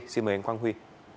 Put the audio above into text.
xin mời anh quang huy